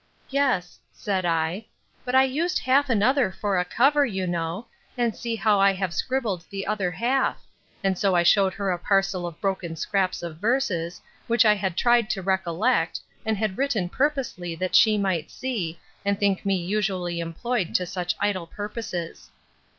Yes, said I; but I used half another for a cover, you know; and see how I have scribbled the other half; and so I shewed her a parcel of broken scraps of verses, which I had tried to recollect, and had written purposely that she might see, and think me usually employed to such idle purposes.